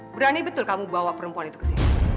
berani betul kamu bawa perempuan itu ke sini